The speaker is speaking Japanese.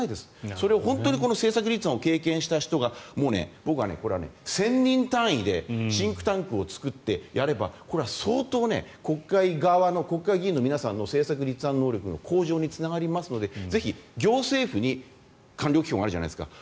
それを、政策立案を経験した人が１０００人単位でシンクタンクを作って、やればこれは相当、国会側の国会議員の皆さんの政策立案能力の向上につながりますのでぜひ、行政府に官僚機構があるじゃないですか。